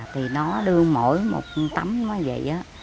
thì nó đưa mỗi một tấm nó vậy